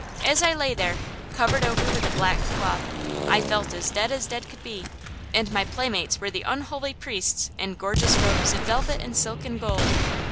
As I lay there, covered over with a black cloth, I felt as dead as dead could be; and my playmates were the unholy priests in gorgeous robes of velvet and silk and gold.